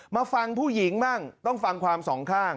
มาฟังผู้หญิงบ้างต้องฟังความสองข้าง